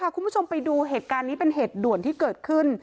คุณผู้ชมไปดูเหตุการณ์นี้เป็นเหตุด่วนที่เกิดขึ้น